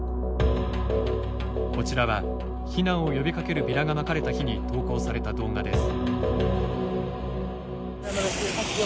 こちらは、避難を呼びかけるビラがまかれた日に投稿された動画です。